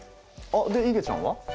でいげちゃんは？